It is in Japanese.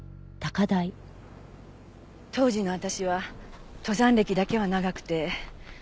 当時の私は登山歴だけは長くて。